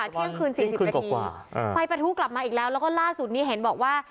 เที่ยงคืน๔๐นาทีไฟประทู้กลับมาอีกแล้วแล้วก็ล่าสุดนี้เห็นบอกว่า